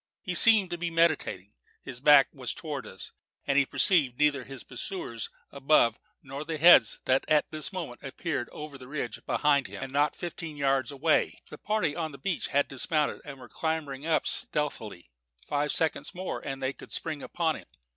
He seemed to be meditating. His back was towards us, and he perceived neither his pursuers above nor the heads that at this moment appeared over the ridge behind him, and not fifteen yards away. The party on the beach had dismounted and were clambering up stealthily. Five seconds more and they could spring upon him.